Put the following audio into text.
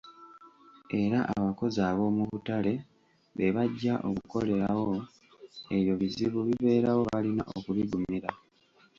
Era abakozi aboomubutale be bajja okukolerawo, ebyo bizibu bibeerawo balina okubigumira.